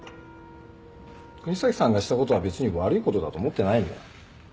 國東さんがしたことは別に悪いことだと思ってないんだよ。